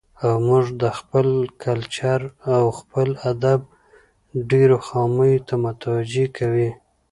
او موږ د خپل کلچر او خپل ادب ډېرو خاميو ته متوجه کوي.